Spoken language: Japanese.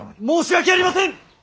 申し訳ありません！